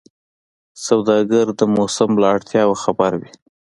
سوداګر د موسم له اړتیاوو خبر وي.